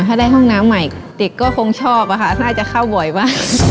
ถ้าได้ห้องน้ำใหม่เด็กก็คงชอบอะค่ะน่าจะเข้าบ่อยวะ